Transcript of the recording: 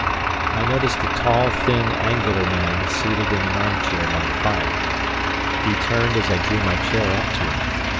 I noticed a tall, thin, angular man seated in an arm chair by the fire. He turned as I drew my chair up to him.